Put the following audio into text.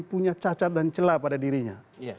punya cacat dan celah pada dirinya